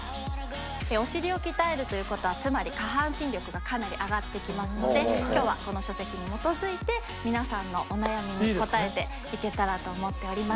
お尻を鍛えるという事はつまり下半身力がかなり上がってきますので今日はこの書籍に基づいて皆さんのお悩みに応えていけたらと思っております。